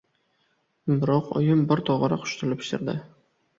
Biroq oyim bir tog‘ora qushtili pishirdi.